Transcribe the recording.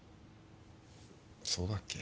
そうだっけ